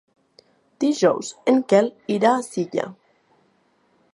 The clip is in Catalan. Dijous en Quel irà a Silla.